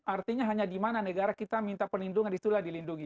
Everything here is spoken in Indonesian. artinya hanya di mana negara kita minta perlindungan disitulah dilindungi